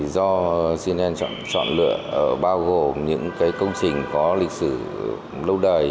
do cnn chọn lựa bao gồm những cái công trình có lịch sử lâu đời